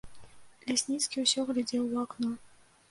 Лясніцкі ўсё глядзеў у акно.